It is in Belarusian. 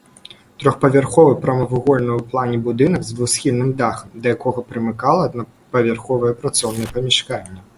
Трохпавярховы прамавугольны ў плане будынак з двухсхільным дахам, да якога прымыкала аднапавярховае працоўнае памяшканне.